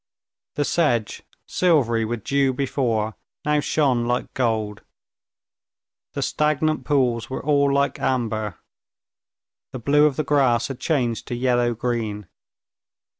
The sedge, silvery with dew before, now shone like gold. The stagnant pools were all like amber. The blue of the grass had changed to yellow green.